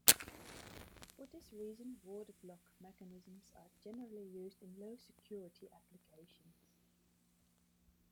For this reason warded lock mechanisms are generally used in low security applications.